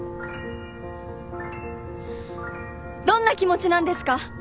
どんな気持ちなんですか？